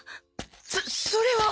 そそれは。